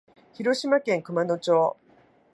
広島県熊野町